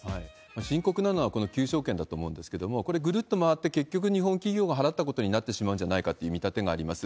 深刻なのは、この求償権だと思うんですけれども、これ、ぐるっと回って、結局日本企業が払ったことになってしまうんじゃないかっていう見立てがあります。